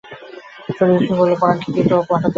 শশী বলিল, পরানকে দিয়ে তো বলে পাঠাতে পারতে?